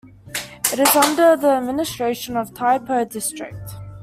It is under the administration of Tai Po District.